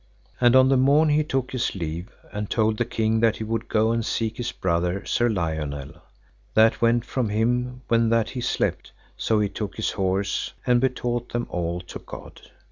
And on the morn he took his leave, and told the king that he would go and seek his brother Sir Lionel, that went from him when that he slept, so he took his horse, and betaught them all to God.